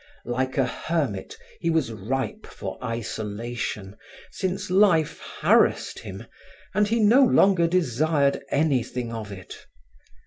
Like a hermit he was ripe for isolation, since life harassed him and he no longer desired anything of it.